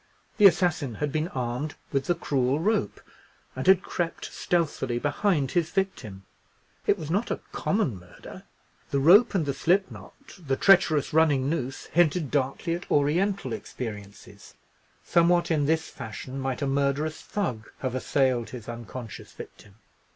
The assassin had been armed with the cruel rope, and had crept stealthily behind his victim. It was not a common murder; the rope and the slip knot, the treacherous running noose, hinted darkly at Oriental experiences: somewhat in this fashion might a murderous Thug have assailed his unconscious victim.